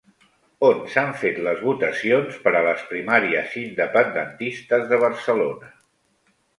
On s'han fet les votacions per a les primàries independentistes de Barcelona?